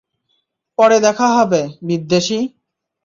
পরে দেখা হবে, বিদ্বেষী!